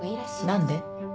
何で？